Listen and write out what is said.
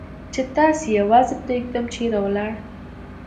چې تاسې یوازې پرېږدم، چېرې ولاړ؟